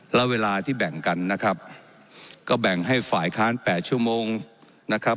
แล้วเวลาที่แบ่งกันนะครับก็แบ่งให้ฝ่ายค้าน๘ชั่วโมงนะครับ